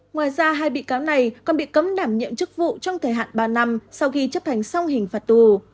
ngoài ra hai bị cáo này còn bị cấm đảm nhiệm chức vụ trong thời hạn ba năm sau khi chấp hành xong hình phạt tù